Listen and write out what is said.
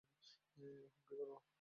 এখন কি করবো?